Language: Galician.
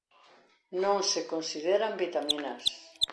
Non se consideran vitaminas.